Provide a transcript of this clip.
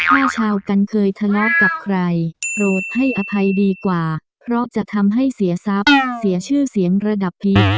ชาวกันเคยทะเลาะกับใครโปรดให้อภัยดีกว่าเพราะจะทำให้เสียทรัพย์เสียชื่อเสียงระดับพิษ